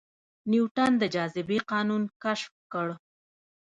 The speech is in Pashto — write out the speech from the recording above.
نیوټن د جاذبې قانون کشف کړ